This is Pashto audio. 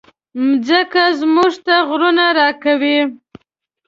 مځکه موږ ته غرونه راکوي.